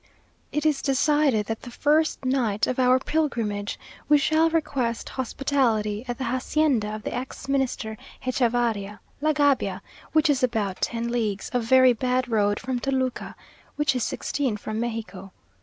It is decided that the first night of our pilgrimage, we shall request hospitality at the hacienda of the ex Minister Hechavarria La Gabia, which is about ten leagues of very bad road from Toluca which is sixteen from Mexico.